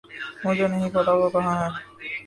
مجھے نہیں پتا وہ کہاں ہے